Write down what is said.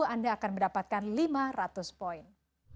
anda akan mendapatkan lima ratus poin